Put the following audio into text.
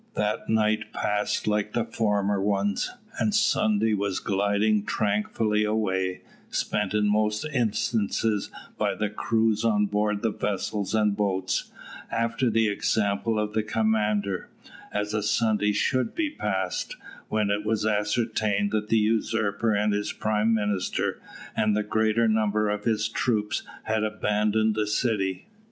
That night passed like the former ones, and Sunday was gliding tranquilly away, spent in most instances by the crews on board the vessels and boats, after the example of their commander, as a Sunday should be passed, when it was ascertained that the usurper and his prime minister, and the greater number of his troops, had abandoned the city.